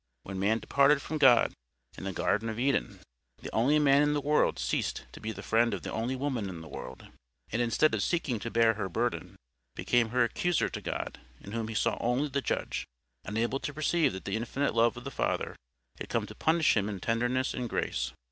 When man departed from God in the Garden of Eden, the only man in the world ceased to be the friend of the only woman in the world; and, instead of seeking to bear her burden, became her accuser to God, in whom he saw only the Judge, unable to perceive that the Infinite love of the Father had come to punish him in tenderness and grace.